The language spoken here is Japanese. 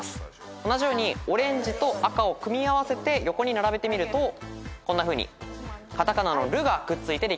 同じようにオレンジと赤を組み合わせて横に並べてみるとこんなふうにカタカナの「ル」がくっついて出来上がるわけです。